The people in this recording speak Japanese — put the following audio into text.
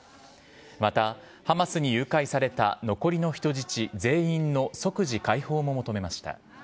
また、ハマスに誘拐された残りの人質全員の即時解放も求めました。